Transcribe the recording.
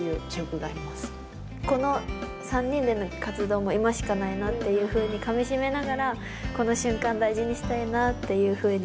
この３人での活動も今しかないなっていうふうにかみしめながらこの瞬間大事にしたいなっていうふうに３人で心を込めて歌わせて頂きました。